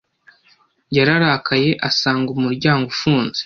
Yararakaye asanga umuryango ufunze.